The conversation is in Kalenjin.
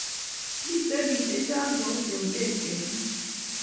Miten pik che chang mauche oset kenyin